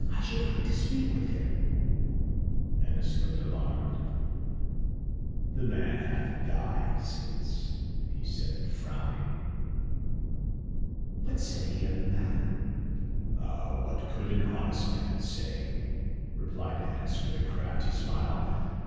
I should like to speak with him." Annas looked alarmed. "The man hath died since," he said, frowning. "What said he of the matter?" "What could an honest man say?" replied Annas with a crafty smile.